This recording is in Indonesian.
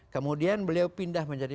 kemudian beliau pindah menjadi